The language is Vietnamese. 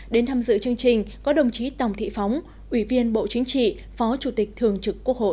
đến tham dự chương trình có đồng chí tòng thị phóng ủy viên bộ chính trị phó chủ tịch thường trực quốc hội